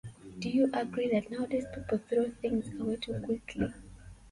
Do you agree that nowadays people throw things away too quickly?